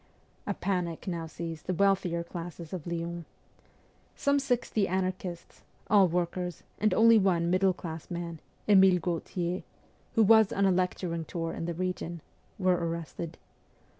A panic now seized the wealthier classes of Lyons. Some sixty anarchists all workers, and only one middle class man, Emile Gautier, who was on a lecturing tour in the region were arrested.